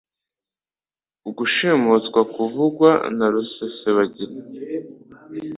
Ugushimutwa kuvugwa na Rusesabagina,